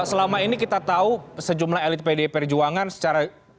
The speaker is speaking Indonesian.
selama ini kita tahu sejumlah elit pdi perjuangan secara